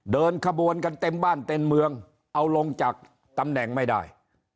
เดินขบวนกันเต็มบ้านเต็มเมืองเอาลงจากตำแหน่งไม่ได้